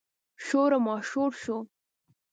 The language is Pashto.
شور ماشور شو.